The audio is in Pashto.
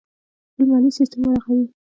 خپل مالي سیستم ورغوي.